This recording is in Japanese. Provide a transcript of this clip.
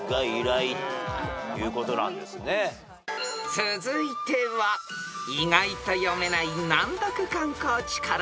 ［続いては意外と読めない難読観光地から出題］